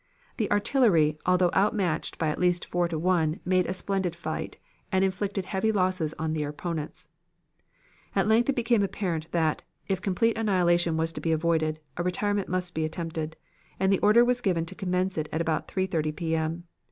"The artillery, although outmatched by at least four to one, made a splendid fight, and inflicted heavy losses on their opponents. "At length it became apparent that, if complete annihilation was to be avoided, a retirement must be attempted; and the order was given to commence it about 3.30 P. M.